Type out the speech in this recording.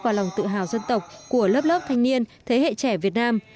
và lòng tự hào dân tộc của lớp lớp thanh niên thế hệ trẻ việt nam